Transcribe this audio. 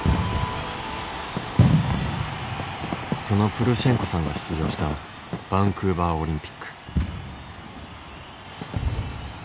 そのプルシェンコさんが出場したバンクーバーオリンピック。